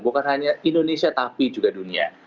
bukan hanya indonesia tapi juga dunia